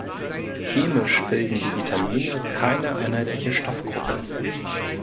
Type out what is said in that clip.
Chemisch bilden die Vitamine keine einheitliche Stoffgruppe.